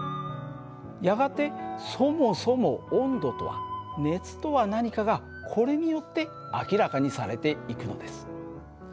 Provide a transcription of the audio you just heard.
やがてそもそも温度とは熱とは何かがこれによって明らかにされていくのです。